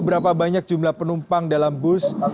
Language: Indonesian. berapa banyak jumlah penumpang dalam bus